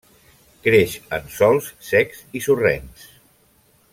Creix en sòls secs i sorrencs.